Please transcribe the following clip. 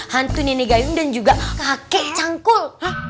hantu nenek gayung dan juga kakek cangkul